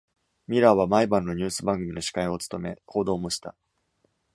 ミラーは毎晩のニュース番組の司会を務め、報道もした。